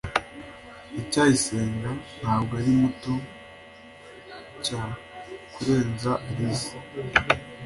ndacyayisenga ntabwo ari muto cy kurenza alice